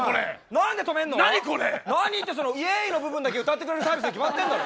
何って「イェーイ」の部分だけ歌ってくれるサービスに決まってんだろ。